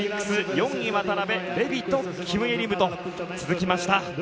４位、渡辺そしてレビト、キム・イェリムと続きました。